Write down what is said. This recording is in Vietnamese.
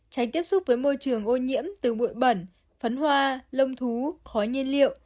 tránh tiếp xúc với môi trường ô nhiễm từ bụi bẩn phấn hoa lông thú khói nhiên liệu